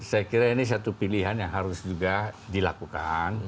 saya kira ini satu pilihan yang harus juga dilakukan